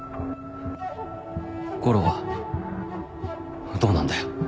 悟郎はどうなるんだよ？